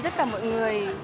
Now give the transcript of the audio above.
tất cả mọi người